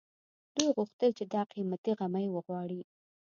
دوی غوښتل چې دا قيمتي غمی وغواړي